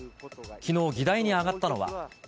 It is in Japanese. きのう、議題に上がったのは。